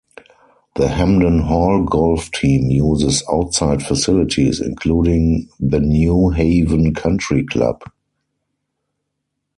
The Hamden Hall golf team uses outside facilities, including the New Haven Country Club.